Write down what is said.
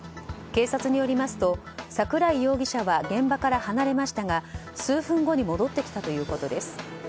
警察によりますと桜井容疑者は現場から離れましたが数分後に戻ってきたということです。